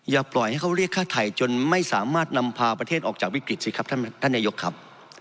อย่าปล่อยให้เขาเรียกฆ่าไทยจนไม่สามารถนำพาประเทศออกจากวิกฤตสิครับท่านนายกครับ